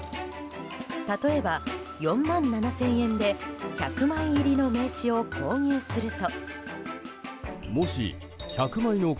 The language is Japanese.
例えば４万７０００円で１００枚入りの名刺を購入すると。